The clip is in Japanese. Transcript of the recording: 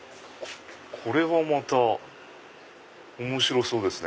これはまた面白そうですね。